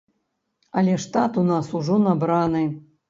Але штат у нас ужо набраны.